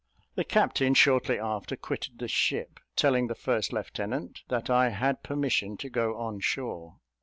The captain shortly after quitted the ship, telling the first lieutenant that I had permission to go on shore.